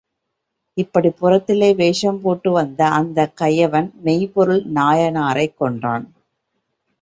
இப்படிப் புறத்திலே வேஷம் போட்டு வந்த அந்தக் கயவன் மெய்ப்பொருள் நாயனாரைக் கொன்றான்.